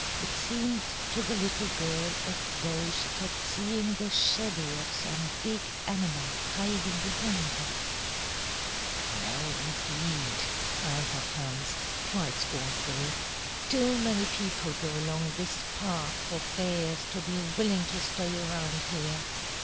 It seemed to the little girl as though she kept seeing the shadow of some big animal hiding behind them. "No, indeed," answered Hans, quite scornfully. "Too many people go along this path for bears to be willing to stay around here.